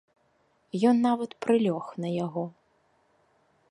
Ён нават прылёг на яго.